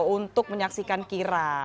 untuk menyaksikan kirap